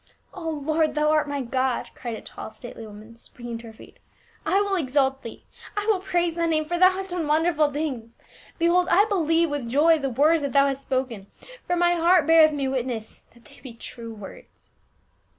" O Lord, thou art my God !" cried a tall stately woman, springing to her feet. " I will exalt thee, I will praise thy name ; for thou hast done wonderful things ! Behold, I believe with joy the words that thou hast spoken, for my heart beareth me witness that they be true words."